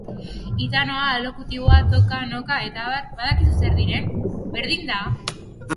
Hitanoa, alokutiboa, toka, noka... Badakizu zer diren? Berdin da!